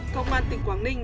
công an tỉnh quảng ninh